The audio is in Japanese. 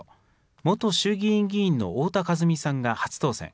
元衆議院議員の太田和美さんが初当選。